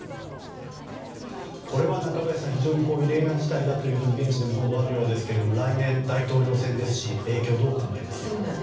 これは中林さん異例の事態だと現地でも報道があるようですが来年、大統領選ですし影響をどうお考えですか？